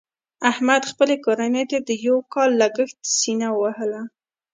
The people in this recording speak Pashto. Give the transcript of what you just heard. احمد خپلې کورنۍ ته د یو کال لګښت سینه ووهله.